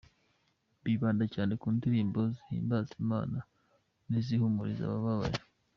Bibanda cyane ku ndirimbo zihimbaza Imana n’izihumuriza abababaye.